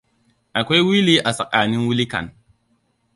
Akwai wili a tsakanin wilikan.